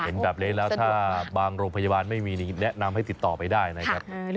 เห็นแบบนี้แล้วถ้าบางโรงพยาบาลไม่มีแนะนำให้ติดต่อไปได้นะครับ